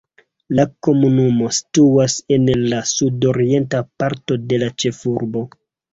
La komunumo situas en la sudorienta parto de la ĉefurbo.